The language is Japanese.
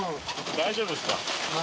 大丈夫ですか？